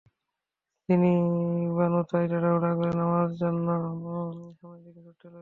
চিনি বানু তাই তাড়াহুড়া করে নামার জন্য সামনের দিকে ছুটতে লাগল।